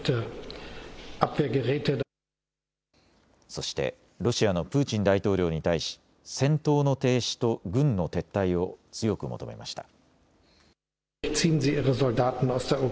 そしてロシアのプーチン大統領に対し戦闘の停止と軍の撤退を強く求めました。